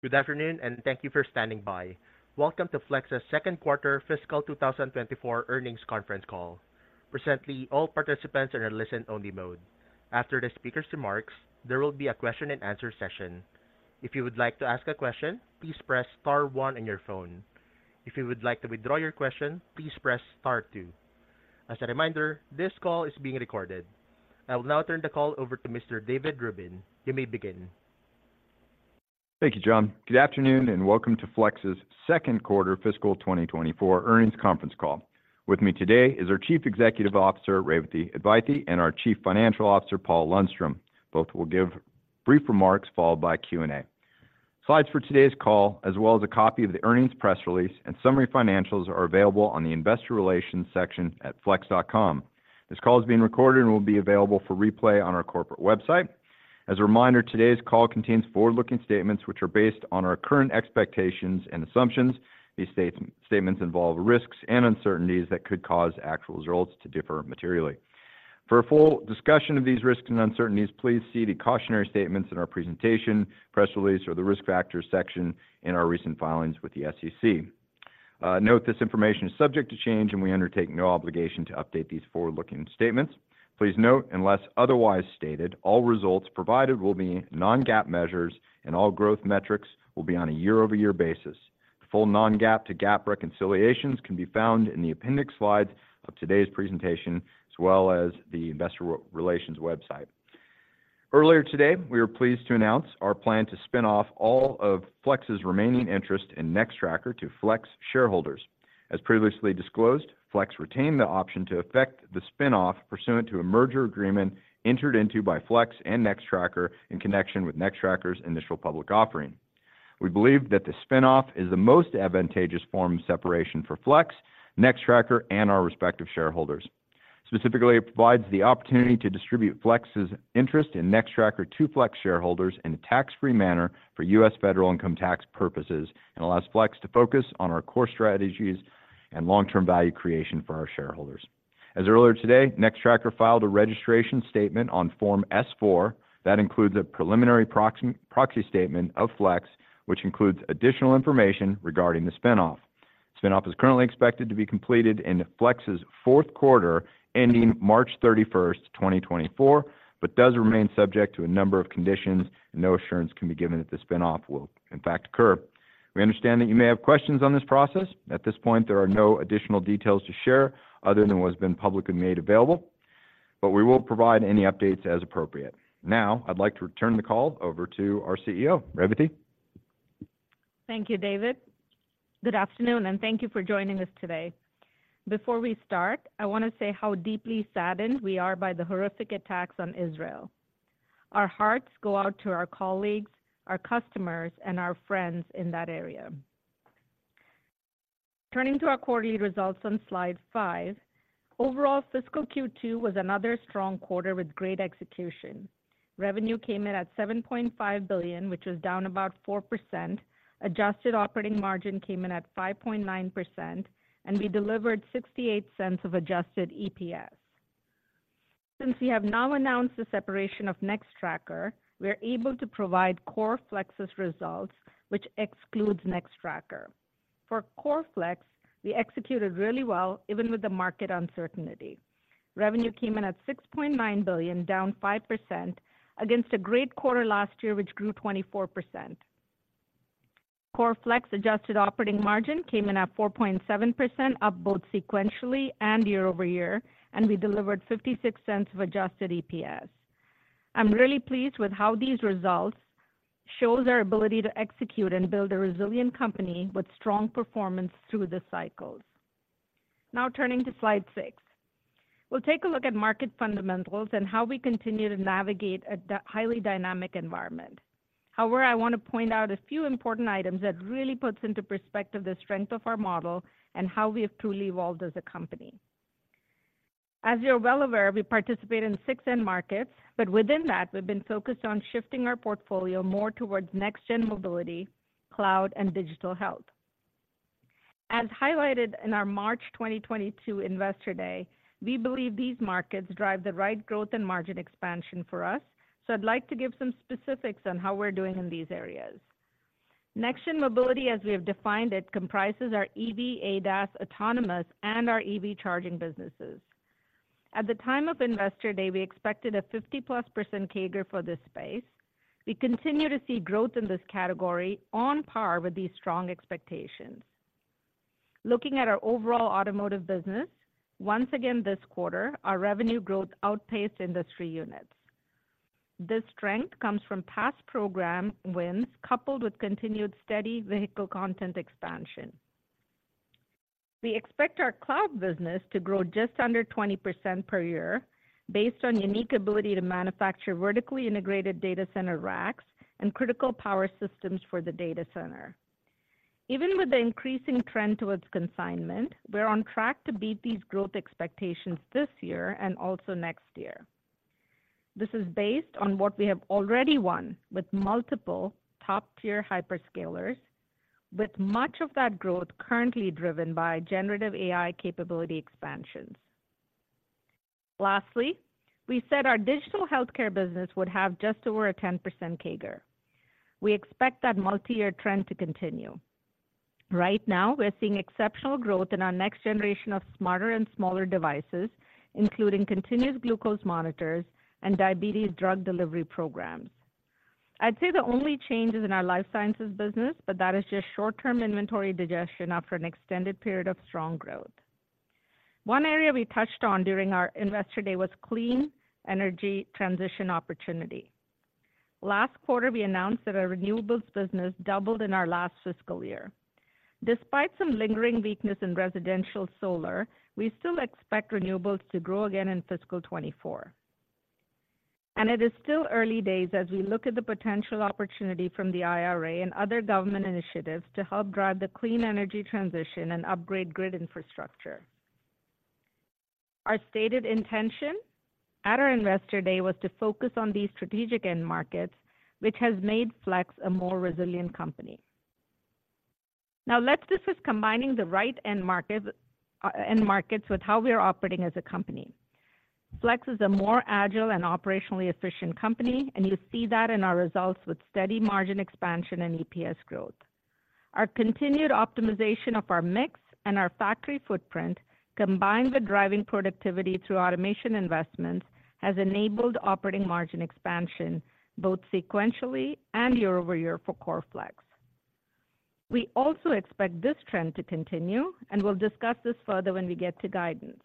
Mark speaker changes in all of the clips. Speaker 1: Good afternoon, and thank you for standing by. Welcome to Flex's second quarter fiscal 2024 earnings conference call. Presently, all participants are in a listen-only mode. After the speaker's remarks, there will be a question-and-answer session. If you would like to ask a question, please press star one on your phone. If you would like to withdraw your question, please press star two. As a reminder, this call is being recorded. I will now turn the call over to Mr. David Rubin. You may begin.
Speaker 2: Thank you, John. Good afternoon, and welcome to Flex's second quarter fiscal 2024 earnings conference call. With me today is our Chief Executive Officer, Revathi Advaithi, and our Chief Financial Officer, Paul Lundstrom. Both will give brief remarks, followed by Q&A. Slides for today's call, as well as a copy of the earnings press release and summary financials, are available on the investor relations section at flex.com. This call is being recorded and will be available for replay on our corporate website. As a reminder, today's call contains forward-looking statements which are based on our current expectations and assumptions. These statements involve risks and uncertainties that could cause actual results to differ materially. For a full discussion of these risks and uncertainties, please see the cautionary statements in our presentation, press release, or the risk factors section in our recent filings with the SEC. Note, this information is subject to change, and we undertake no obligation to update these forward-looking statements. Please note, unless otherwise stated, all results provided will be non-GAAP measures, and all growth metrics will be on a year-over-year basis. Full non-GAAP to GAAP reconciliations can be found in the appendix slides of today's presentation, as well as the investor relations website. Earlier today, we were pleased to announce our plan to spin off all of Flex's remaining interest in Nextracker to Flex shareholders. As previously disclosed, Flex retained the option to effect the spin-off pursuant to a merger agreement entered into by Flex and Nextracker in connection with Nextracker's initial public offering. We believe that the spin-off is the most advantageous form of separation for Flex, Nextracker, and our respective shareholders. Specifically, it provides the opportunity to distribute Flex's interest in Nextracker to Flex shareholders in a tax-free manner for U.S. federal income tax purposes, and allows Flex to focus on our core strategies and long-term value creation for our shareholders. As earlier today, Nextracker filed a registration statement on Form S-4. That includes a preliminary proxy, proxy statement of Flex, which includes additional information regarding the spin-off. Spin-off is currently expected to be completed in Flex's fourth quarter, ending March 31, 2024, but does remain subject to a number of conditions, and no assurance can be given that the spin-off will in fact occur. We understand that you may have questions on this process. At this point, there are no additional details to share other than what has been publicly made available, but we will provide any updates as appropriate. Now, I'd like to return the call over to our CEO, Revathi.
Speaker 3: Thank you, David. Good afternoon, and thank you for joining us today. Before we start, I want to say how deeply saddened we are by the horrific attacks on Israel. Our hearts go out to our colleagues, our customers, and our friends in that area. Turning to our quarterly results on slide five, overall, fiscal Q2 was another strong quarter with great execution. Revenue came in at $7.5 billion, which is down about 4%. Adjusted operating margin came in at 5.9%, and we delivered $0.68 of adjusted EPS. Since we have now announced the separation of Nextracker, we are able to provide Core Flex's results, which excludes Nextracker. For Core Flex, we executed really well, even with the market uncertainty. Revenue came in at $6.9 billion, down 5%, against a great quarter last year, which grew 24%. Core Flex adjusted operating margin came in at 4.7%, up both sequentially and year-over-year, and we delivered $0.56 of adjusted EPS. I'm really pleased with how these results shows our ability to execute and build a resilient company with strong performance through the cycles. Now turning to slide six. We'll take a look at market fundamentals and how we continue to navigate a highly dynamic environment. However, I want to point out a few important items that really puts into perspective the strength of our model and how we have truly evolved as a company. As you're well aware, we participate in six end markets, but within that, we've been focused on shifting our portfolio more towards next-gen mobility, cloud, and digital health. As highlighted in our March 2022 Investor Day, we believe these markets drive the right growth and margin expansion for us, so I'd like to give some specifics on how we're doing in these areas. NextGen Mobility, as we have defined it, comprises our EV/ADAS, autonomous, and our EV charging businesses. At the time of Investor Day, we expected a 50%+ CAGR for this space. We continue to see growth in this category on par with these strong expectations. Looking at our overall automotive business, once again this quarter, our revenue growth outpaced industry units. This strength comes from past program wins, coupled with continued steady vehicle content expansion. We expect our cloud business to grow just under 20% per year based on unique ability to manufacture vertically integrated data center racks and critical power systems for the data center. Even with the increasing trend towards consignment, we're on track to beat these growth expectations this year and also next year. This is based on what we have already won with multiple top-tier hyperscalers, with much of that growth currently driven by generative AI capability expansions. Lastly, we said our digital healthcare business would have just over a 10% CAGR. We expect that multi-year trend to continue. Right now, we're seeing exceptional growth in our next generation of smarter and smaller devices, including continuous glucose monitors and diabetes drug delivery programs. I'd say the only change is in our life sciences business, but that is just short-term inventory digestion after an extended period of strong growth. One area we touched on during our Investor Day was clean energy transition opportunity. Last quarter, we announced that our renewables business doubled in our last fiscal year. Despite some lingering weakness in residential solar, we still expect renewables to grow again in fiscal 2024. It is still early days as we look at the potential opportunity from the IRA and other government initiatives to help drive the clean energy transition and upgrade grid infrastructure. Our stated intention at our Investor Day was to focus on these strategic end markets, which has made Flex a more resilient company. Now, let's discuss combining the right end market, end markets with how we are operating as a company. Flex is a more agile and operationally efficient company, and you see that in our results with steady margin expansion and EPS growth. Our continued optimization of our mix and our factory footprint, combined with driving productivity through automation investments, has enabled operating margin expansion both sequentially and year-over-year for Core Flex. We also expect this trend to continue, and we'll discuss this further when we get to guidance.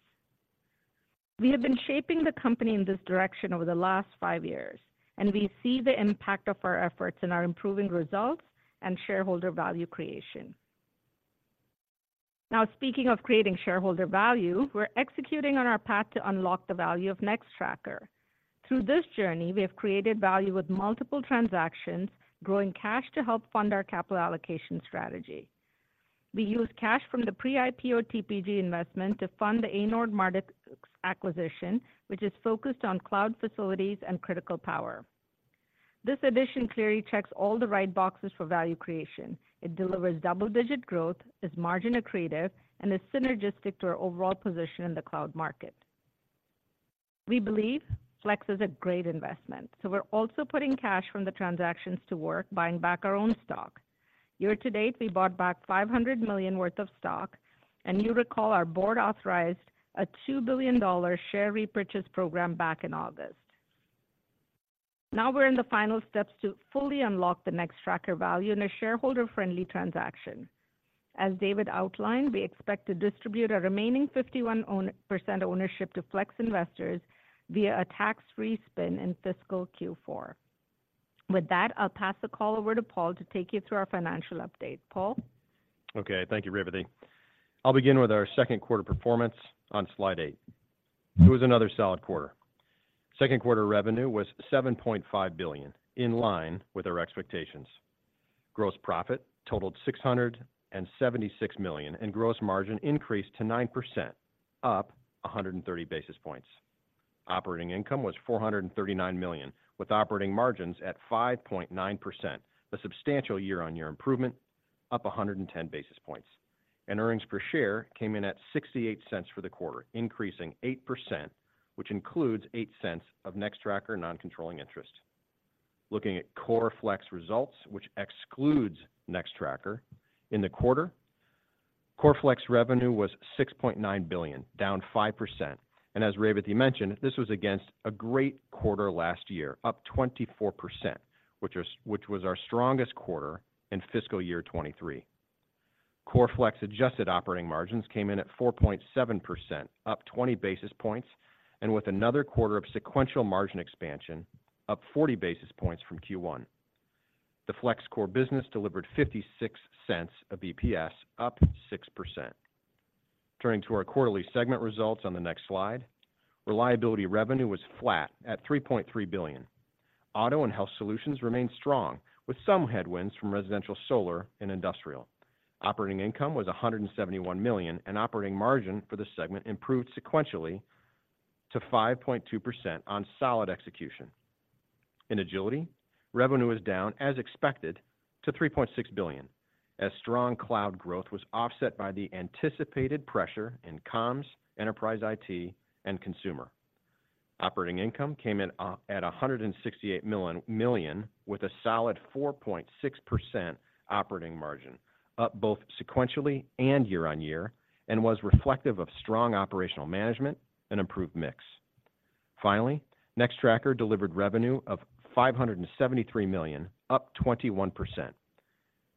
Speaker 3: We have been shaping the company in this direction over the last five years, and we see the impact of our efforts in our improving results and shareholder value creation. Now, speaking of creating shareholder value, we're executing on our path to unlock the value of Nextracker. Through this journey, we have created value with multiple transactions, growing cash to help fund our capital allocation strategy. We used cash from the pre-IPO TPG investment to fund the Anord Mardix acquisition, which is focused on cloud facilities and critical power. This addition clearly checks all the right boxes for value creation. It delivers double-digit growth, is margin accretive, and is synergistic to our overall position in the cloud market. We believe Flex is a great investment, so we're also putting cash from the transactions to work, buying back our own stock. Year to date, we bought back $500 million worth of stock, and you recall our board authorized a $2 billion share repurchase program back in August. Now we're in the final steps to fully unlock the Nextracker value in a shareholder-friendly transaction. As David outlined, we expect to distribute our remaining 51% ownership to Flex investors via a tax-free spin in fiscal Q4. With that, I'll pass the call over to Paul to take you through our financial update. Paul?
Speaker 4: Okay, thank you, Revathi. I'll begin with our second quarter performance on slide eight. It was another solid quarter. Second quarter revenue was $7.5 billion, in line with our expectations. Gross profit totaled $676 million, and gross margin increased to 9%, up 130 basis points. Operating income was $439 million, with operating margins at 5.9%, a substantial year-on-year improvement, up 110 basis points. And earnings per share came in at $0.68 for the quarter, increasing 8%, which includes $0.08 of Nextracker non-controlling interest. Looking at Core Flex results, which excludes Nextracker, in the quarter, Core Flex revenue was $6.9 billion, down 5%. And as Revathi mentioned, this was against a great quarter last year, up 24%, which was our strongest quarter in fiscal year 2023. Core Flex adjusted operating margins came in at 4.7%, up 20 basis points, and with another quarter of sequential margin expansion, up 40 basis points from Q1. The Flex core business delivered $0.56 EPS, up 6%. Turning to our quarterly segment results on the next slide. Reliability revenue was flat at $3.3 billion. Auto and Health Solutions remained strong, with some headwinds from residential, solar and industrial. Operating income was $171 million, and operating margin for the segment improved sequentially to 5.2% on solid execution. In Agility, revenue was down, as expected, to $3.6 billion, as strong cloud growth was offset by the anticipated pressure in comms, enterprise IT, and consumer. Operating income came in at $168 million, with a solid 4.6% operating margin, up both sequentially and year-over-year, and was reflective of strong operational management and improved mix. Finally, Nextracker delivered revenue of $573 million, up 21%.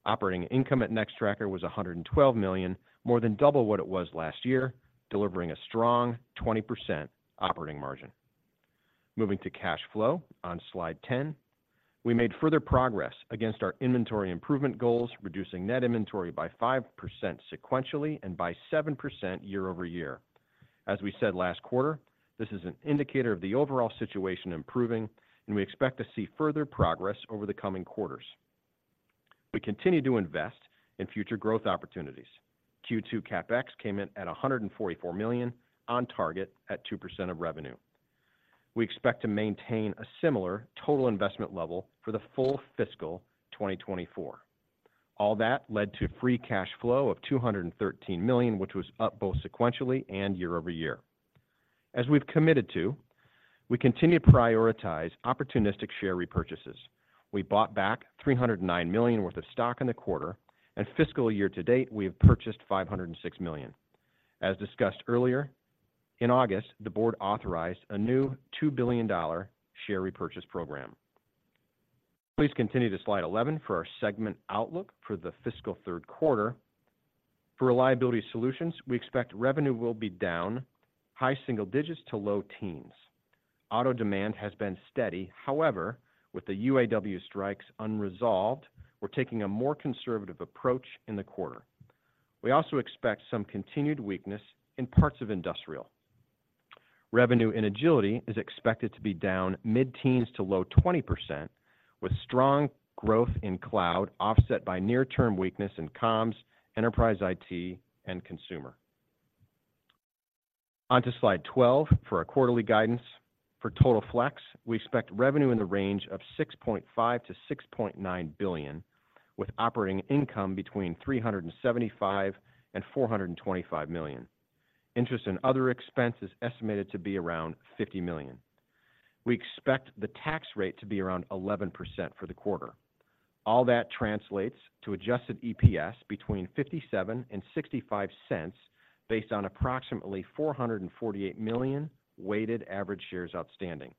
Speaker 4: Operating income at Nextracker was $112 million, more than double what it was last year, delivering a strong 20% operating margin. Moving to cash flow on slide 10. We made further progress against our inventory improvement goals, reducing net inventory by 5% sequentially and by 7% year-over-year. As we said last quarter, this is an indicator of the overall situation improving, and we expect to see further progress over the coming quarters. We continue to invest in future growth opportunities. Q2 CapEx came in at $144 million, on target at 2% of revenue. We expect to maintain a similar total investment level for the full fiscal 2024. All that led to free cash flow of $213 million, which was up both sequentially and year-over-year. As we've committed to, we continue to prioritize opportunistic share repurchases. We bought back $309 million worth of stock in the quarter, and fiscal year to date, we have purchased $506 million. As discussed earlier, in August, the board authorized a new $2 billion share repurchase program. Please continue to slide 11 for our segment outlook for the fiscal third quarter. For Reliability Solutions, we expect revenue will be down high single digits to low teens. Auto demand has been steady; however, with the UAW strikes unresolved, we're taking a more conservative approach in the quarter. We also expect some continued weakness in parts of industrial. Revenue in Agility is expected to be down mid-teens to low-20%, with strong growth in cloud, offset by near-term weakness in comms, enterprise IT, and consumer. On to slide 12 for our quarterly guidance. For Total Flex, we expect revenue in the range of $6.5 billion-$6.9 billion, with operating income between $375 billion-$425 million. Interest and other expense is estimated to be around $50 million. We expect the tax rate to be around 11% for the quarter. All that translates to adjusted EPS between $0.57-$0.65, based on approximately 448 million weighted average shares outstanding.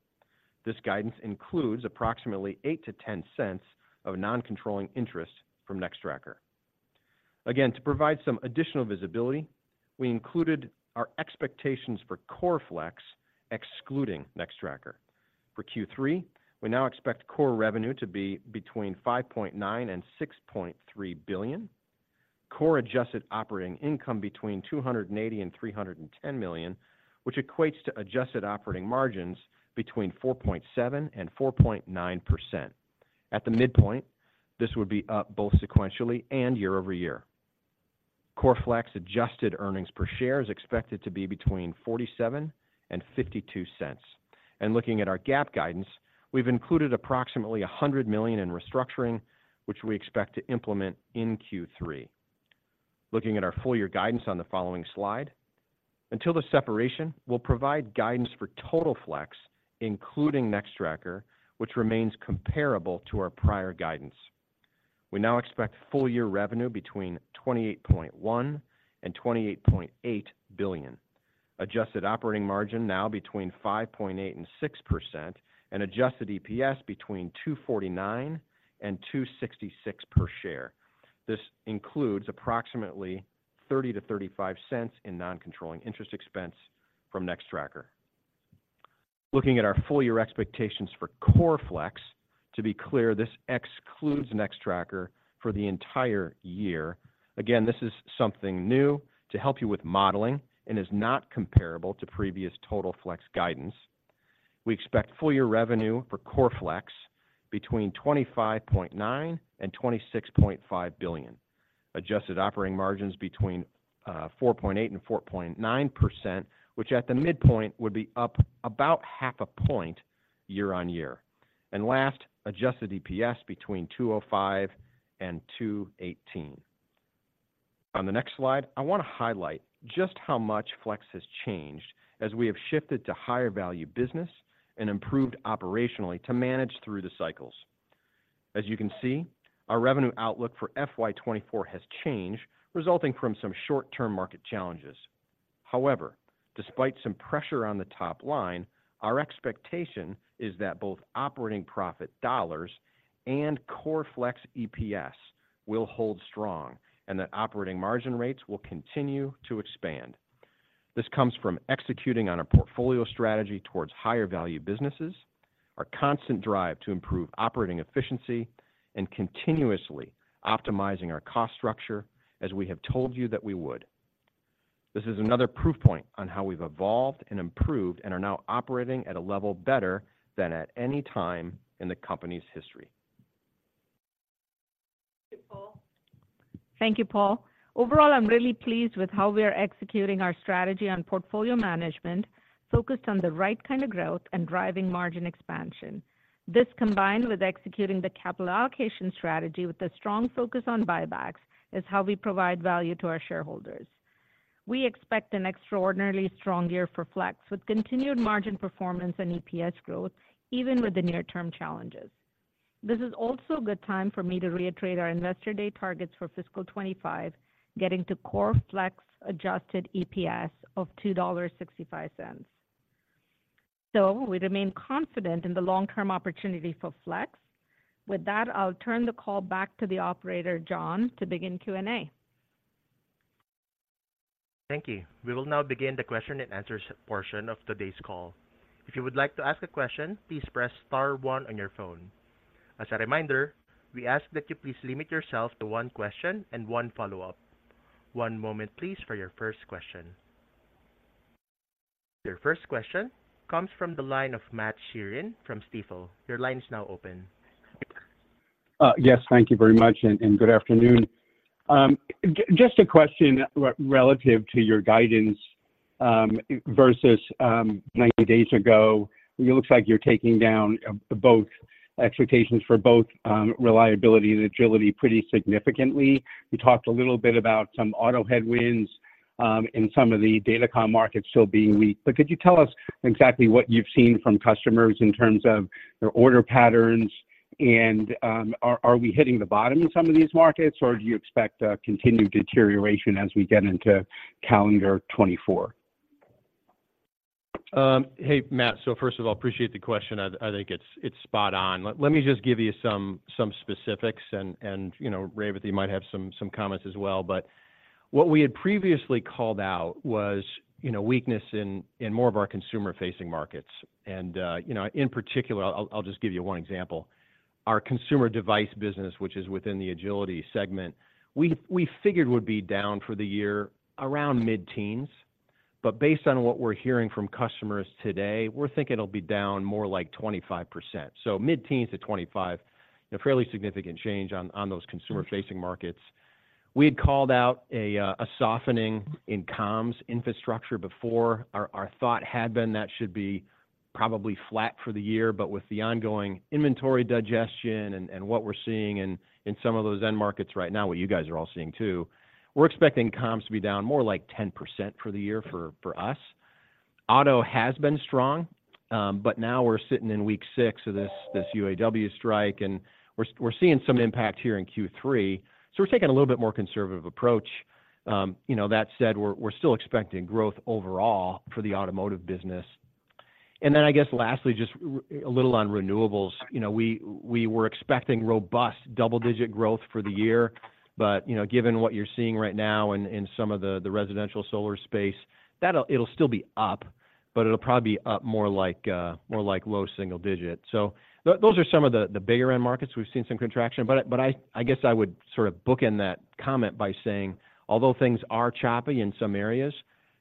Speaker 4: This guidance includes approximately $0.08-$0.10 of non-controlling interest from Nextracker. Again, to provide some additional visibility, we included our expectations for Core Flex, excluding Nextracker. For Q3, we now expect core revenue to be between $5.9 billion-$6.3 billion. Core adjusted operating income between $280 million-$310 million, which equates to adjusted operating margins between 4.7%-4.9%. At the midpoint, this would be up both sequentially and year-over-year. Core Flex adjusted earnings per share is expected to be between $0.47-$0.52. Looking at our GAAP guidance, we've included approximately $100 million in restructuring, which we expect to implement in Q3. Looking at our full year guidance on the following slide. Until the separation, we'll provide guidance for Total Flex, including Nextracker, which remains comparable to our prior guidance. We now expect full year revenue between $28.1 billion and $28.8 billion. Adjusted operating margin now between 5.8% and 6%, and adjusted EPS between $2.49 and $2.66 per share. This includes approximately $0.30-$0.35 in non-controlling interest expense from Nextracker. Looking at our full year expectations for Core Flex. To be clear, this excludes Nextracker for the entire year. Again, this is something new to help you with modeling and is not comparable to previous Total Flex guidance. We expect full year revenue for Core Flex between $25.9 billion-$26.5 billion. Adjusted operating margins between 4.8%-4.9%, which at the midpoint would be up about half a point year-on-year. And last, adjusted EPS between 2.05 and 2.18. On the next slide, I want to highlight just how much Flex has changed as we have shifted to higher value business and improved operationally to manage through the cycles. As you can see, our revenue outlook for FY 2024 has changed, resulting from some short-term market challenges. However, despite some pressure on the top line, our expectation is that both operating profit dollars and Core Flex EPS will hold strong and that operating margin rates will continue to expand. This comes from executing on a portfolio strategy towards higher value businesses, our constant drive to improve operating efficiency, and continuously optimizing our cost structure, as we have told you that we would. This is another proof point on how we've evolved and improved and are now operating at a level better than at any time in the company's history.
Speaker 3: Thank you, Paul. Thank you, Paul. Overall, I'm really pleased with how we are executing our strategy on portfolio management, focused on the right kind of growth and driving margin expansion. This, combined with executing the capital allocation strategy with a strong focus on buybacks, is how we provide value to our shareholders. We expect an extraordinarily strong year for Flex with continued margin performance and EPS growth, even with the near-term challenges. This is also a good time for me to reiterate our Investor Day targets for fiscal 2025, getting to Core Flex adjusted EPS of $2.65. So we remain confident in the long-term opportunity for Flex. With that, I'll turn the call back to the operator, John, to begin Q&A.
Speaker 1: Thank you. We will now begin the question and answer portion of today's call. If you would like to ask a question, please press star one on your phone. As a reminder, we ask that you please limit yourself to one question and one follow-up. One moment, please, for your first question. Your first question comes from the line of Matt Sheerin from Stifel. Your line is now open....
Speaker 5: Yes, thank you very much, and good afternoon. Just a question relative to your guidance versus 90 days ago. It looks like you're taking down both expectations for both reliability and agility pretty significantly. You talked a little bit about some auto headwinds and some of the datacom markets still being weak. But could you tell us exactly what you've seen from customers in terms of their order patterns, and are we hitting the bottom in some of these markets, or do you expect a continued deterioration as we get into calendar 2024?
Speaker 4: Hey, Matt. So first of all, appreciate the question. I think it's spot on. Let me just give you some specifics, and, you know, Revathi might have some comments as well. But what we had previously called out was, you know, weakness in more of our consumer-facing markets. And, you know, in particular, I'll just give you one example. Our consumer device business, which is within the agility segment, we figured would be down for the year around mid-teens, but based on what we're hearing from customers today, we're thinking it'll be down more like 25%. So mid-teens to 25%, a fairly significant change on those consumer-facing markets. We had called out a softening in comms infrastructure before. Our thought had been that should be probably flat for the year, but with the ongoing inventory digestion and what we're seeing in some of those end markets right now, what you guys are all seeing too, we're expecting comms to be down more like 10% for the year for us. Auto has been strong, but now we're sitting in week six of this UAW strike, and we're seeing some impact here in Q3, so we're taking a little bit more conservative approach. You know, that said, we're still expecting growth overall for the automotive business. And then I guess lastly, just a little on renewables. You know, we were expecting robust double-digit growth for the year, but, you know, given what you're seeing right now in some of the residential solar space, it'll still be up, but it'll probably be up more like low single digit. So those are some of the bigger end markets we've seen some contraction. But I guess I would sort of bookend that comment by saying, although things are choppy in some areas,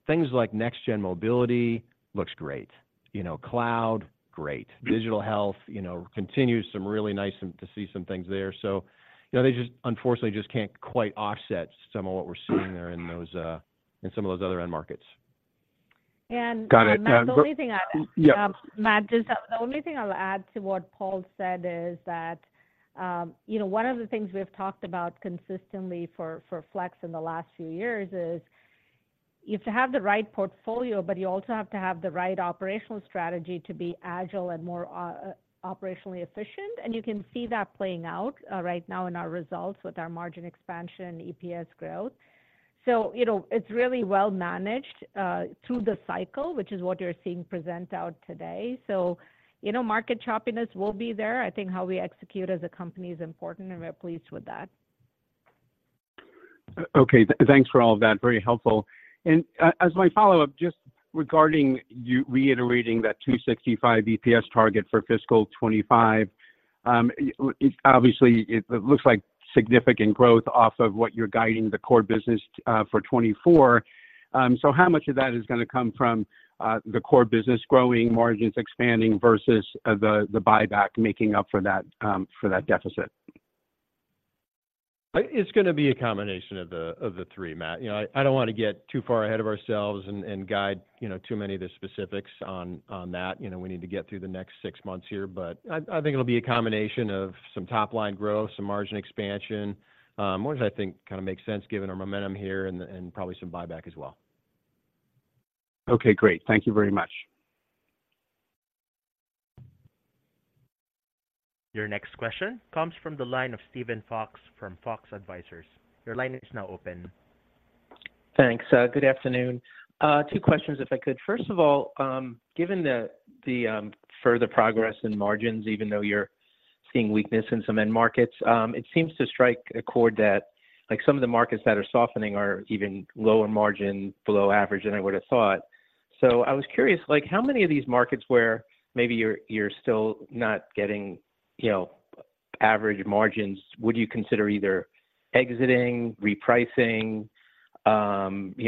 Speaker 4: things like next-gen mobility looks great, you know, cloud, great. Digital health, you know, continues some really nice to see some things there. So, you know, they just unfortunately just can't quite offset some of what we're seeing there in some of those other end markets.
Speaker 5: Got it.
Speaker 3: And Matt, the only thing I'd-
Speaker 4: Yeah.
Speaker 3: Matt, just the only thing I'll add to what Paul said is that, you know, one of the things we've talked about consistently for Flex in the last few years is, you have to have the right portfolio, but you also have to have the right operational strategy to be agile and more operationally efficient. And you can see that playing out, right now in our results with our margin expansion and EPS growth. So, you know, it's really well managed, through the cycle, which is what you're seeing play out today. So, you know, market choppiness will be there. I think how we execute as a company is important, and we're pleased with that.
Speaker 5: Okay, thanks for all of that. Very helpful. As my follow-up, just regarding you reiterating that $2.65 EPS target for fiscal 2025, obviously, it looks like significant growth off of what you're guiding the core business for 2024. So how much of that is gonna come from the core business growing, margins expanding, versus the buyback making up for that deficit?
Speaker 4: It's gonna be a combination of the, of the three, Matt. You know, I, I don't wanna get too far ahead of ourselves and, and guide, you know, too many of the specifics on, on that. You know, we need to get through the next six months here. But I, I think it'll be a combination of some top-line growth, some margin expansion, merge, I think, kind of makes sense given our momentum here and, and probably some buyback as well.
Speaker 5: Okay, great. Thank you very much.
Speaker 1: Your next question comes from the line of Steven Fox from Fox Advisors. Your line is now open.
Speaker 6: Thanks. Good afternoon. Two questions, if I could. First of all, given the further progress in margins, even though you're seeing weakness in some end markets, it seems to strike a chord that, like, some of the markets that are softening are even lower margin below average than I would have thought. So I was curious, like, how many of these markets where maybe you're still not getting, you know, average margins, would you consider either exiting, repricing, you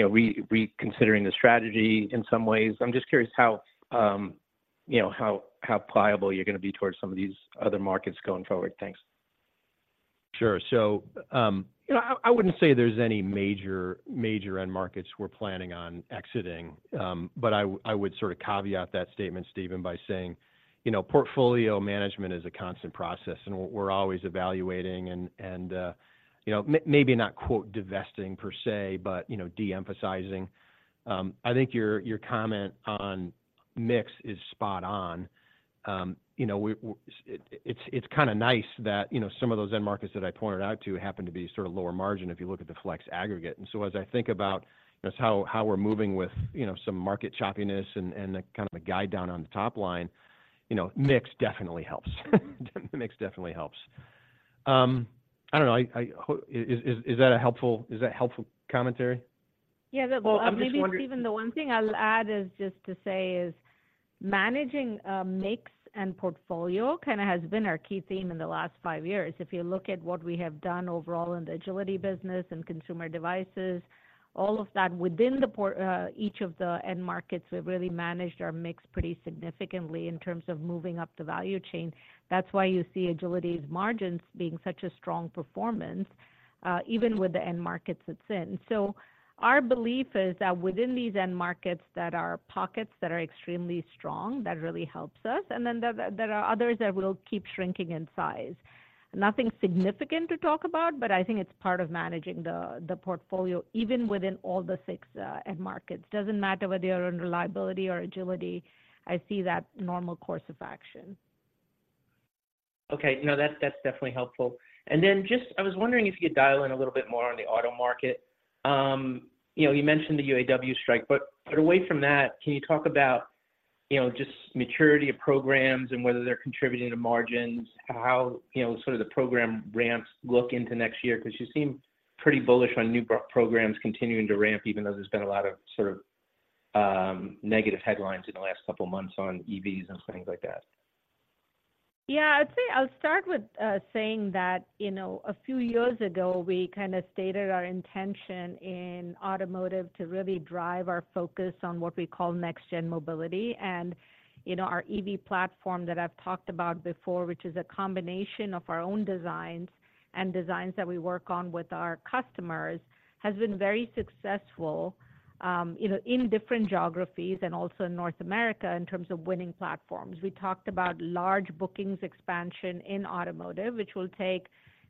Speaker 6: know, reconsidering the strategy in some ways? I'm just curious how, you know, how pliable you're gonna be towards some of these other markets going forward. Thanks.
Speaker 4: Sure. So, you know, I wouldn't say there's any major, major end markets we're planning on exiting. But I would sort of caveat that statement, Steven, by saying, you know, portfolio management is a constant process, and we're always evaluating and, you know, maybe not, quote, "divesting" per se, but, you know, de-emphasizing. I think your comment on mix is spot on. You know, it, it's kind of nice that, you know, some of those end markets that I pointed out to happen to be sort of lower margin if you look at the Flex aggregate. And so as I think about, you know, how we're moving with, you know, some market choppiness and the kind of a guide down on the top line, you know, mix definitely helps. Mix definitely helps. I don't know, is that a helpful commentary?
Speaker 3: Yeah, the-
Speaker 6: Well, I'm just wondering-
Speaker 3: Maybe even the one thing I'll add is just to say managing mix and portfolio kind of has been our key theme in the last five years. If you look at what we have done overall in the Agility business and consumer devices, all of that within the portfolio, each of the end markets, we've really managed our mix pretty significantly in terms of moving up the value chain. That's why you see Agility's margins being such a strong performance, even with the end markets it's in. So our belief is that within these end markets, there are pockets that are extremely strong, that really helps us, and then there are others that will keep shrinking in size. Nothing significant to talk about, but I think it's part of managing the portfolio, even within all the six end markets. Doesn't matter whether you're in reliability or agility, I see that normal course of action.
Speaker 6: Okay. No, that's, that's definitely helpful. And then just I was wondering if you could dial in a little bit more on the auto market. You know, you mentioned the UAW strike, but, but away from that, can you talk about, you know, just maturity of programs and whether they're contributing to margins? How, you know, sort of the program ramps look into next year? Because you seem pretty bullish on new programs continuing to ramp, even though there's been a lot of sort of, negative headlines in the last couple of months on EVs and things like that.
Speaker 3: Yeah, I'd say I'll start with saying that, you know, a few years ago, we kind of stated our intention in automotive to really drive our focus on what we call next-gen mobility. And, you know, our EV platform that I've talked about before, which is a combination of our own designs and designs that we work on with our customers, has been very successful, you know, in different geographies and also in North America in terms of winning platforms. We talked about large bookings expansion in automotive, which will take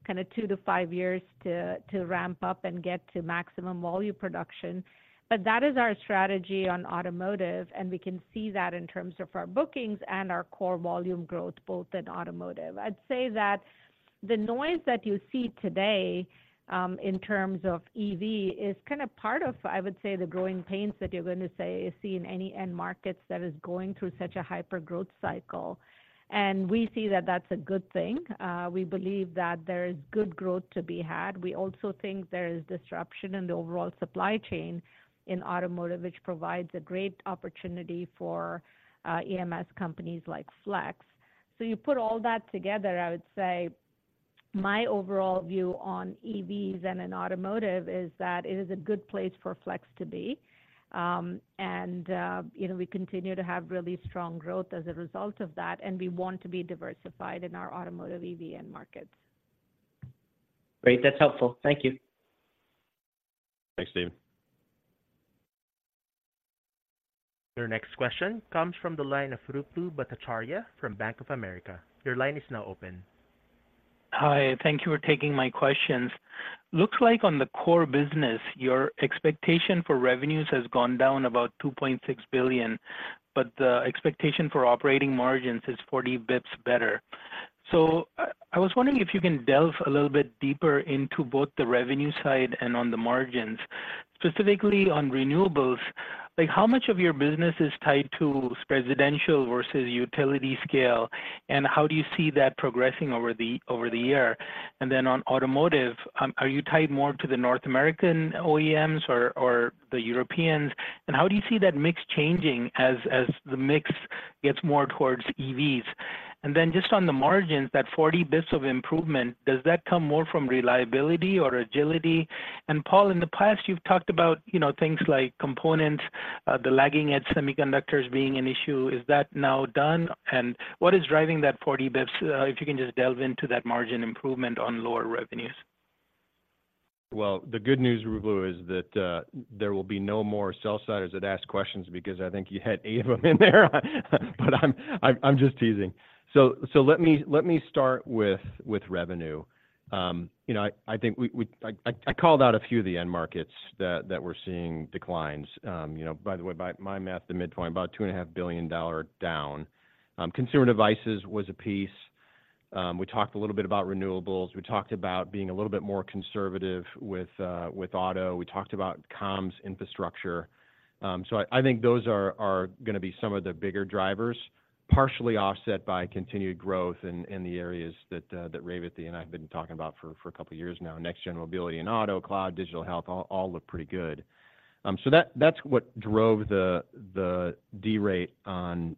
Speaker 3: kind of two to five years to ramp up and get to maximum volume production. But that is our strategy on automotive, and we can see that in terms of our bookings and our core volume growth, both in automotive. I'd say that the noise that you see today, in terms of EV, is kind of part of, I would say, the growing pains that you're going to see in any end markets that is going through such a hyper growth cycle. And we see that that's a good thing. We believe that there is good growth to be had. We also think there is disruption in the overall supply chain in automotive, which provides a great opportunity for, EMS companies like Flex. So you put all that together, I would say my overall view on EVs and in automotive is that it is a good place for Flex to be. And, you know, we continue to have really strong growth as a result of that, and we want to be diversified in our automotive EV end markets.
Speaker 6: Great. That's helpful. Thank you.
Speaker 4: Thanks, Steve.
Speaker 1: Your next question comes from the line of Ruplu Bhattacharya from Bank of America. Your line is now open.
Speaker 7: Hi, thank you for taking my questions. Looks like on the core business, your expectation for revenues has gone down about $2.6 billion, but the expectation for operating margins is 40 basis points better. So I was wondering if you can delve a little bit deeper into both the revenue side and on the margins. Specifically on renewables, like, how much of your business is tied to residential versus utility scale, and how do you see that progressing over the year? And then on automotive, are you tied more to the North American OEMs or the Europeans? And how do you see that mix changing as the mix gets more towards EVs? And then just on the margins, that 40 basis points of improvement, does that come more from reliability or agility? Paul, in the past, you've talked about, you know, things like components, the lagging edge, semiconductors being an issue. Is that now done? And what is driving that 40 bps, if you can just delve into that margin improvement on lower revenues.
Speaker 4: Well, the good news, Ruplu, is that there will be no more sell-siders that ask questions, because I think you had eight of them in there. But I'm just teasing. So let me start with revenue. You know, I think we called out a few of the end markets that we're seeing declines, you know. By the way, by my math, the midpoint, about $2.5 billion down. Consumer devices was a piece. We talked a little bit about renewables. We talked about being a little bit more conservative with auto. We talked about comms infrastructure. So I think those are gonna be some of the bigger drivers, partially offset by continued growth in the areas that Revathi and I have been talking about for a couple of years now. Next-gen mobility and auto, cloud, digital health, all look pretty good. So that's what drove the derate on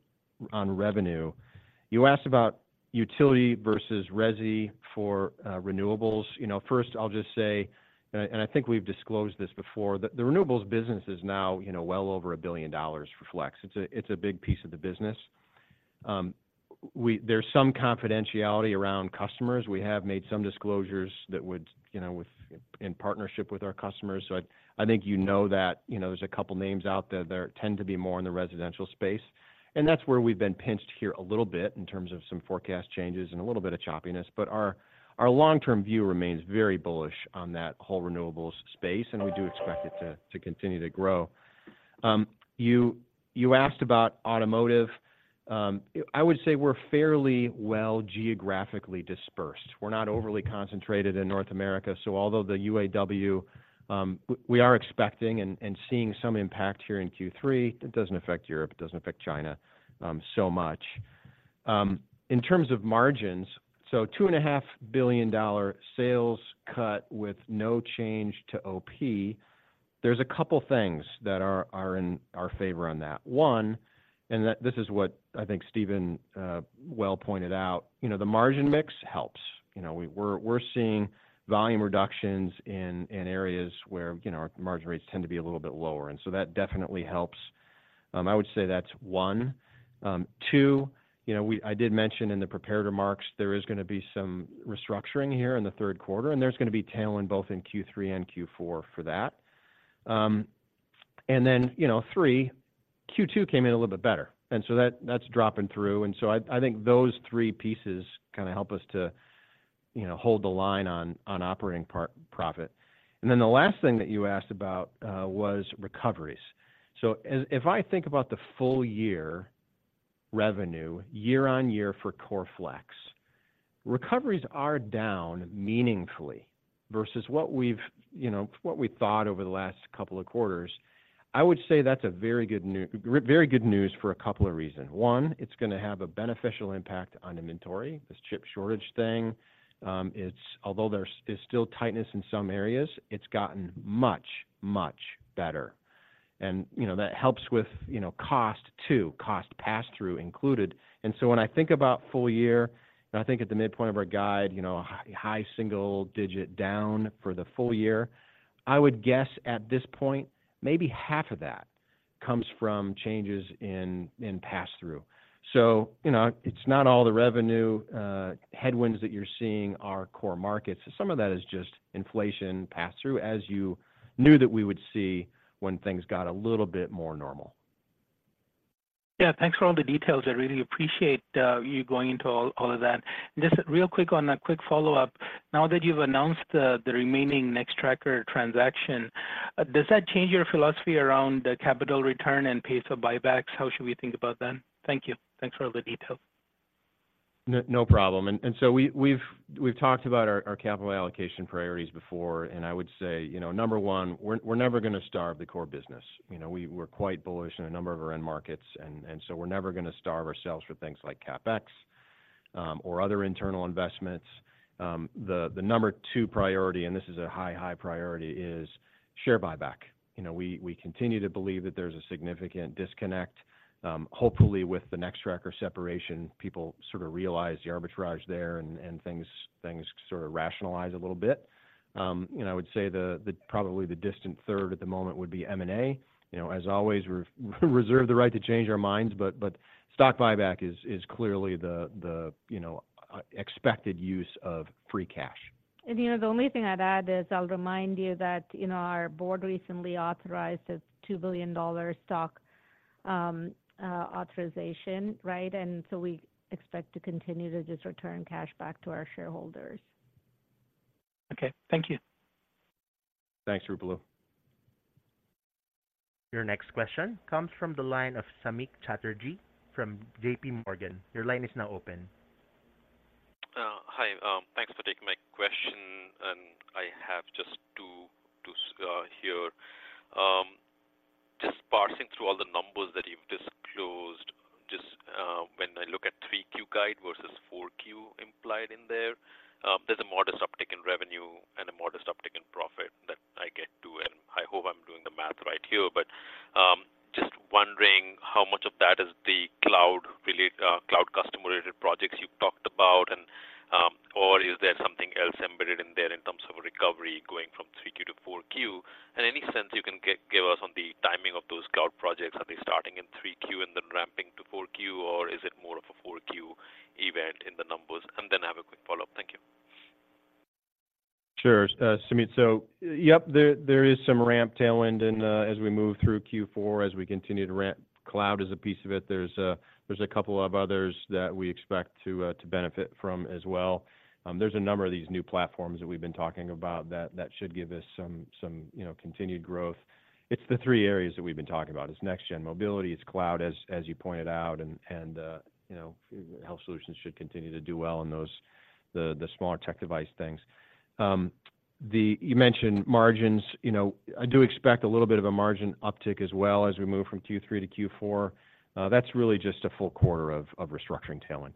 Speaker 4: revenue. You asked about utility versus resi for renewables. You know, first, I'll just say, and I think we've disclosed this before, that the renewables business is now, you know, well over $1 billion for Flex. It's a big piece of the business. There's some confidentiality around customers. We have made some disclosures that would, you know, with in partnership with our customers. So I think you know that, you know, there's a couple of names out there that tend to be more in the residential space, and that's where we've been pinched here a little bit in terms of some forecast changes and a little bit of choppiness. But our long-term view remains very bullish on that whole renewables space, and we do expect it to continue to grow. You asked about automotive. I would say we're fairly well geographically dispersed. We're not overly concentrated in North America, so although the UAW, we are expecting and seeing some impact here in Q3, it doesn't affect Europe, it doesn't affect China, so much. In terms of margins, so $2.5 billion sales cut with no change to OP. There's a couple things that are in our favor on that. One, this is what I think Steven well pointed out, you know, the margin mix helps. You know, we're seeing volume reductions in areas where, you know, our margin rates tend to be a little bit lower, and so that definitely helps. I would say that's one. Two, you know, I did mention in the prepared remarks there is gonna be some restructuring here in the third quarter, and there's gonna be tailwind both in Q3 and Q4 for that. And then, you know, three, Q2 came in a little bit better, and so that's dropping through. And so I think those three pieces kind of help us to, you know, hold the line on operating profit. Then the last thing that you asked about was recoveries. So if I think about the full year revenue, year-over-year for Core Flex, recoveries are down meaningfully versus what we've, you know, what we thought over the last couple of quarters. I would say that's very good news for a couple of reasons. One, it's gonna have a beneficial impact on inventory. This chip shortage thing, it's although there's still tightness in some areas, it's gotten much, much better. And, you know, that helps with, you know, cost too, cost pass-through included. And so when I think about full year, and I think at the midpoint of our guide, you know, high single-digit down for the full year, I would guess at this point, maybe half of that comes from changes in pass-through. You know, it's not all the revenue headwinds that you're seeing are core markets. Some of that is just inflation pass-through, as you knew that we would see when things got a little bit more normal.
Speaker 7: Yeah, thanks for all the details. I really appreciate you going into all of that. Just real quick on a quick follow-up. Now that you've announced the remaining Nextracker transaction, does that change your philosophy around the capital return and pace of buybacks? How should we think about them? Thank you. Thanks for all the details.
Speaker 4: No problem. So we've talked about our capital allocation priorities before, and I would say, you know, number one, we're never gonna starve the core business. You know, we're quite bullish in a number of our end markets, and so we're never gonna starve ourselves for things like CapEx or other internal investments. The number two priority, and this is a high priority, is share buyback. You know, we continue to believe that there's a significant disconnect. Hopefully, with the Nextracker separation, people sort of realize the arbitrage there, and things sort of rationalize a little bit. You know, I would say probably the distant third at the moment would be M&A. You know, as always, we reserve the right to change our minds, but stock buyback is clearly the, you know, expected use of free cash.
Speaker 3: And, you know, the only thing I'd add is, I'll remind you that, you know, our board recently authorized a $2 billion stock authorization, right? And so we expect to continue to just return cash back to our shareholders.
Speaker 7: Okay, thank you.
Speaker 4: Thanks, Ruplu.
Speaker 1: Your next question comes from the line of Samik Chatterjee from JPMorgan. Your line is now open.
Speaker 8: Hi. Thanks for taking my question. And I have just two here. Just parsing through all the numbers that you've disclosed, just, when I look at three Q guide versus four Q implied in there, there's a modest uptick in revenue and a modest uptick in profit that I get to, and I hope I'm doing the math right here. But, just wondering how much of that is the cloud customer-related projects you talked about, and, or is there something else embedded in there in terms of recovery going from three Q to four Q? And any sense you can give us on the timing of those cloud projects? Are they starting in three Q and then ramping to four Q, or is it more of a four Q event in the numbers? I have a quick follow-up. Thank you.
Speaker 4: Sure, Samik. So yep, there is some ramp tailwind and, as we move through Q4, as we continue to ramp, cloud is a piece of it. There's a couple of others that we expect to benefit from as well. There's a number of these new platforms that we've been talking about that should give us some, you know, continued growth. It's the three areas that we've been talking about. It's next-gen mobility, it's cloud, as you pointed out, and, you know, health solutions should continue to do well in those, the smaller tech device things. You mentioned margins. You know, I do expect a little bit of a margin uptick as well as we move from Q3 to Q4. That's really just a full quarter of restructuring tailwind.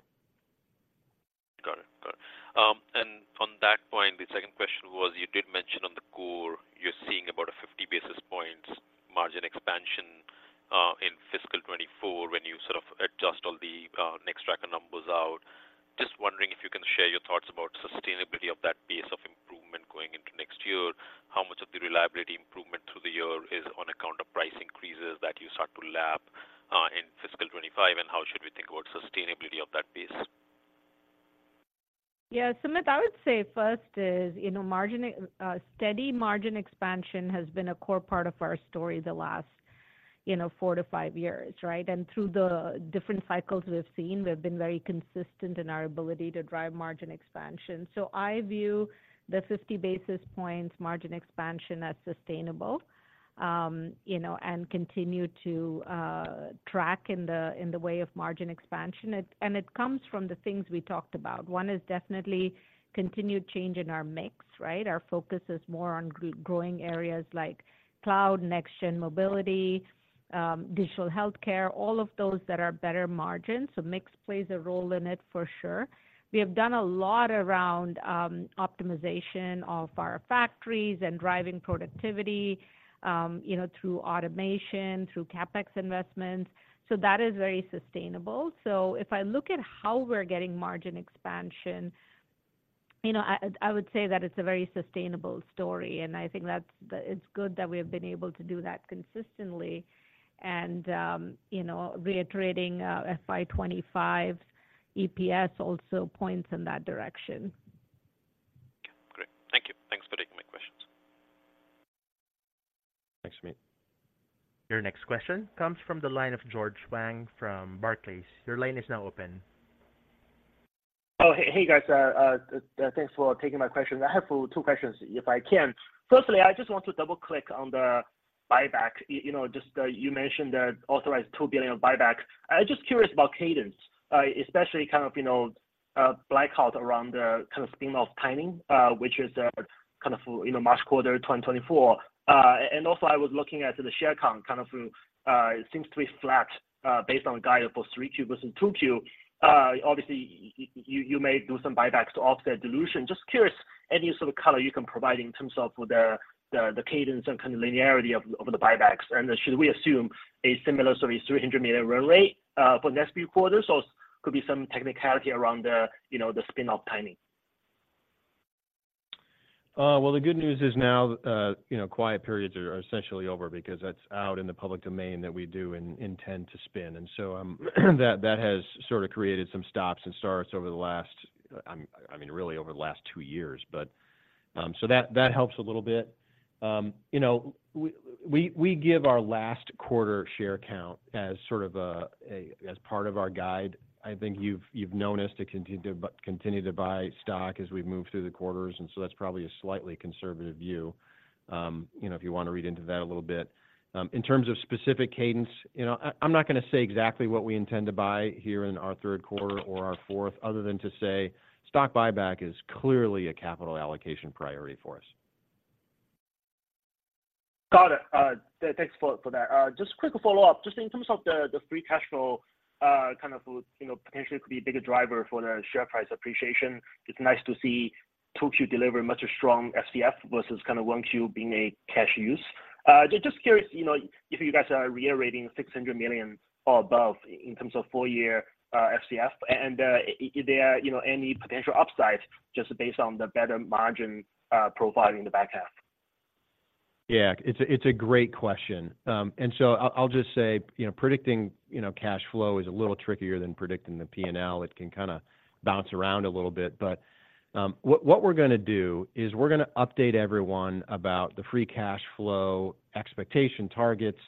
Speaker 8: Got it. Got it. And on that point, the second question was, you did mention on the core, you're seeing about a 50 basis points margin expansion in fiscal 2024, when you sort of adjust all the Nextracker numbers out. Just wondering if you can share your thoughts about sustainability of that base of improvement going into next year. How much of the margin improvement through the year is on account of price increases that you start to lap in fiscal 2025? And how should we think about sustainability of that base?
Speaker 3: Yeah, Sameet, I would say first is, you know, margin, steady margin expansion has been a core part of our story the last, you know, four to five years, right? And through the different cycles we've seen, we've been very consistent in our ability to drive margin expansion. So I view the 50 basis points margin expansion as sustainable, you know, and continue to track in the way of margin expansion. And it comes from the things we talked about. One is definitely continued change in our mix, right? Our focus is more on growing areas like cloud, next-gen mobility, digital healthcare, all of those that are better margins. So mix plays a role in it for sure. We have done a lot around optimization of our factories and driving productivity, you know, through automation, through CapEx investments, so that is very sustainable. So if I look at how we're getting margin expansion, you know, I, I would say that it's a very sustainable story, and I think that's the—it's good that we have been able to do that consistently. And, you know, reiterating, FY 25 EPS also points in that direction.
Speaker 8: Okay, great. Thank you. Thanks for taking my questions.
Speaker 4: Thanks, Samik.
Speaker 1: Your next question comes from the line of George Wang from Barclays. Your line is now open.
Speaker 9: Oh, hey, hey, guys. Thanks for taking my questions. I have two questions, if I can. Firstly, I just want to double-click on the buyback. You know, just, you mentioned the authorized $2 billion of buybacks. I'm just curious about cadence, especially kind of, you know, blackout around the kind of spin-off timing, which is the kind of, you know, March quarter, 2024. And also, I was looking at the share count, kind of, it seems to be flat, based on guide for three Q versus two Q. Obviously, you may do some buybacks to offset dilution. Just curious, any sort of color you can provide in terms of the cadence and kind of linearity of the buybacks? Should we assume a similar sort of $300 million run rate for the next few quarters, or could be some technicality around the, you know, the spin-off timing?
Speaker 4: Well, the good news is now, you know, quiet periods are essentially over because that's out in the public domain that we do and intend to spin. And so, that has sort of created some stops and starts over the last... I mean, really, over the last two years. But, so that helps a little bit. You know, we give our last quarter share count as sort of a as part of our guide. I think you've known us to continue to buy stock as we've moved through the quarters, and so that's probably a slightly conservative view, you know, if you want to read into that a little bit. In terms of specific cadence, you know, I'm not gonna say exactly what we intend to buy here in our third quarter or our fourth, other than to say stock buyback is clearly a capital allocation priority for us.
Speaker 9: Got it. Thanks for that. Just quick follow-up. Just in terms of the free cash flow, kind of, you know, potentially could be a bigger driver for the share price appreciation. It's nice to see two Q deliver much strong FCF versus kind of one Q being a cash use. Just curious, you know, if you guys are reiterating $600 million or above in terms of full year FCF, and if there are, you know, any potential upsides just based on the better margin profile in the back half?
Speaker 4: Yeah, it's a great question. And so I'll just say, you know, predicting, you know, cash flow is a little trickier than predicting the PNL. It can kind of bounce around a little bit. But what we're gonna do is we're gonna update everyone about the free cash flow expectation targets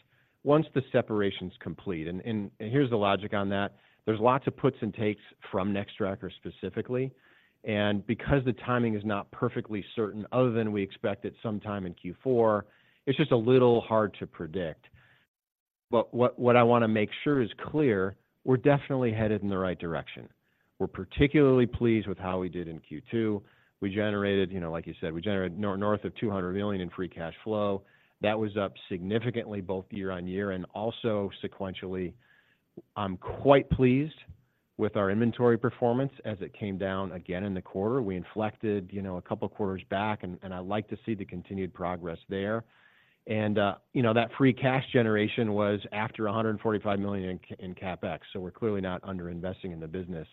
Speaker 4: once the separation's complete. And here's the logic on that: There's lots of puts and takes from Nextracker specifically, and because the timing is not perfectly certain, other than we expect it sometime in Q4, it's just a little hard to predict. But what I want to make sure is clear, we're definitely headed in the right direction. We're particularly pleased with how we did in Q2. We generated, you know, like you said, we generated north of $200 million in free cash flow. That was up significantly both year-on-year and also sequentially. I'm quite pleased with our inventory performance as it came down again in the quarter. We inflected, you know, a couple of quarters back, and I'd like to see the continued progress there. And, you know, that free cash generation was after $145 million in CapEx, so we're clearly not under-investing in the business.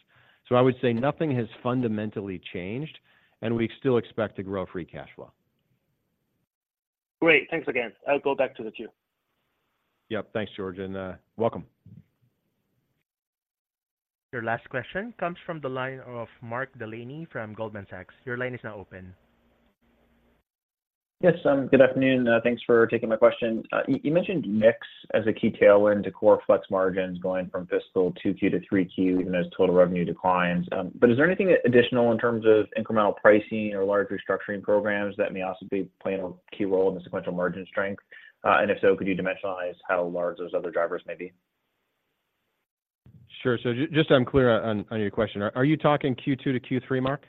Speaker 4: So I would say nothing has fundamentally changed, and we still expect to grow free cash flow.
Speaker 9: Great. Thanks again. I'll go back to the queue.
Speaker 4: Yep. Thanks, George, and welcome.
Speaker 1: Your last question comes from the line of Mark Delaney from Goldman Sachs. Your line is now open.
Speaker 10: Yes, good afternoon, thanks for taking my question. You mentioned mix as a key tailwind to core Flex margins going from fiscal two Q to three Q, even as total revenue declines. But is there anything additional in terms of incremental pricing or large restructuring programs that may also be playing a key role in the sequential margin strength? And if so, could you dimensionalize how large those other drivers may be?
Speaker 4: Sure. So just so I'm clear on your question, are you talking Q2 to Q3, Mark?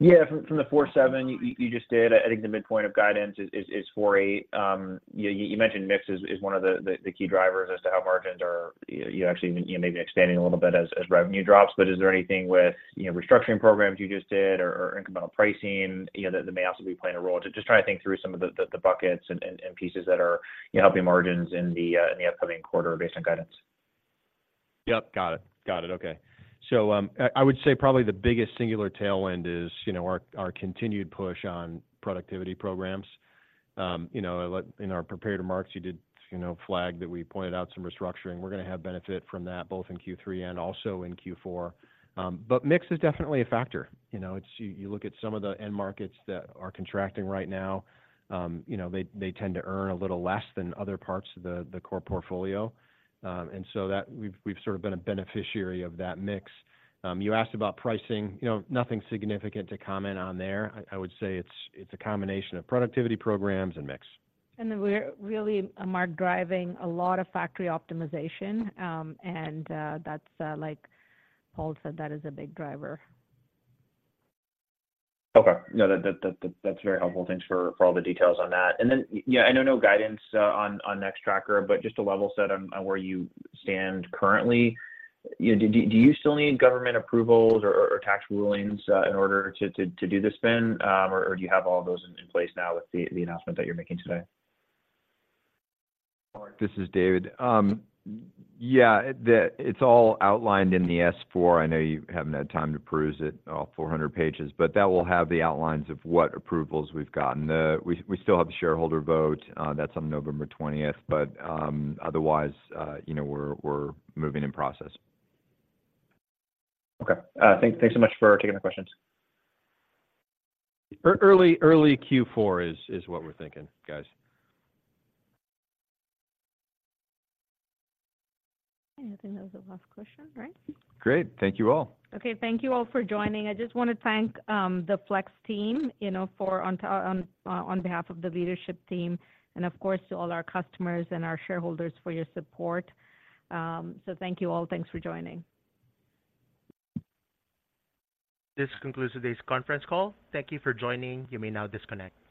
Speaker 10: Yeah, from the 4.7 you just did. I think the midpoint of guidance is 4.8. You mentioned mix is one of the key drivers as to how margins are... You actually may be expanding a little bit as revenue drops. But is there anything with, you know, restructuring programs you just did or incremental pricing, you know, that may also be playing a role? Just trying to think through some of the buckets and pieces that are, you know, helping margins in the upcoming quarter based on guidance.
Speaker 4: Yep, got it. Got it, okay. So, I would say probably the biggest singular tailwind is, you know, our continued push on productivity programs. You know, in our prepared remarks, you did, you know, flag that we pointed out some restructuring. We're gonna have benefit from that, both in Q3 and also in Q4. But mix is definitely a factor. You know, it's you look at some of the end markets that are contracting right now, you know, they tend to earn a little less than other parts of the core portfolio. And so that we've sort of been a beneficiary of that mix. You asked about pricing. You know, nothing significant to comment on there. I would say it's a combination of productivity programs and mix.
Speaker 3: We're really, Mark, driving a lot of factory optimization, that's, like Paul said, that is a big driver.
Speaker 10: Okay. No, that's very helpful. Thanks for all the details on that. And then, yeah, I know no guidance on Nextracker, but just to level set on where you stand currently, you know, do you still need government approvals or tax rulings in order to do the spin? Or do you have all those in place now with the announcement that you're making today?
Speaker 2: Mark, this is David. It's all outlined in the S-4. I know you haven't had time to peruse it, all 400 pages, but that will have the outlines of what approvals we've gotten. We still have the shareholder vote, that's on November twentieth. But, otherwise, you know, we're moving in process.
Speaker 10: Okay. Thanks so much for taking the questions.
Speaker 4: Early, early Q4 is what we're thinking, guys.
Speaker 3: I think that was the last question, right?
Speaker 4: Great. Thank you all.
Speaker 3: Okay, thank you all for joining. I just want to thank the Flex team, you know, on behalf of the leadership team, and of course, to all our customers and our shareholders for your support. Thank you all. Thanks for joining.
Speaker 1: This concludes today's conference call. Thank you for joining. You may now disconnect.